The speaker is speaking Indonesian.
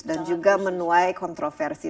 dan juga menuai kontrolnya